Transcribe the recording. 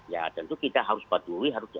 ya tentu kita harus patuhi